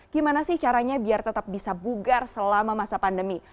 gimana sih caranya biar tetap bisa bugar selama masa pandemi